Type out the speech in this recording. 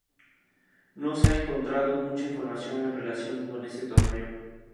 No se ha encontrado mucha información en relación con este torneo.